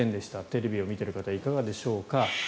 テレビを見ている方いかがでしょうか。